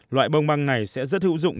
loại băng bằng này sẽ rất hữu dụng